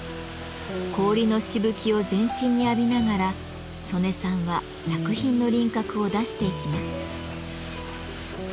氷のしぶきを全身に浴びながら曽根さんは作品の輪郭を出していきます。